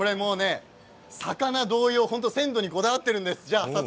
魚同様、鮮度にこだわっているんです。